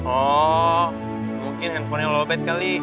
oh mungkin handphonenya lo bet kali